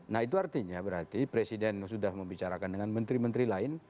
nah itu artinya berarti presiden sudah membicarakan dengan menteri menteri lain